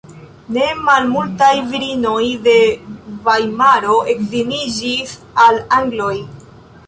Ne malmultaj virinoj de Vajmaro edziniĝis al angloj.